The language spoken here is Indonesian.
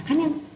lupa ya kan yang